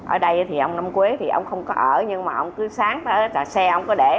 ở đây thì ông năm quế thì ông không có ở nhưng mà ông cứ sáng trà xe ông có để